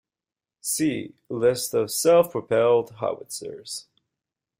See "List of Self-propelled howitzers"